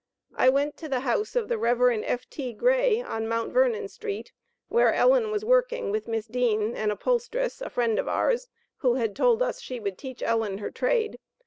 I went to the house of the Rev. F.T. Gray, on Mt. Vernon street, where Ellen was working with Miss Dean, an upholsteress, a friend of ours, who had told us she would teach Ellen her trade.